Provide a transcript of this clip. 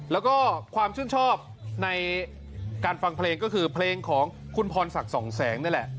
แล้วก็ความชื่นชอบในการฟังเพลงก็คือเพลงของคุณพรศักดิ์สองแสงนี่แหละ